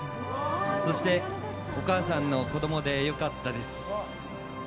そしてお母さんの子供で良かったです。